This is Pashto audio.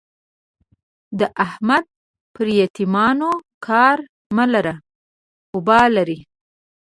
د احمد پر يتيمانو کار مه لره؛ اوبال لري.